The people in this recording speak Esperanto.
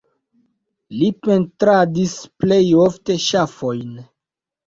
Li pentradis plej ofte ŝafojn.